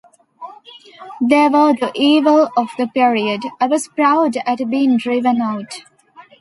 They were the evil of the period; I was proud at being driven out.